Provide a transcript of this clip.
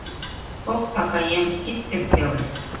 Ок, акеем, ит ӧпкеле